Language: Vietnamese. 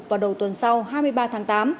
vào đầu tuần sau hai mươi ba tháng tám